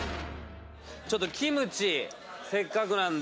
ちょっとキムチせっかくなんで。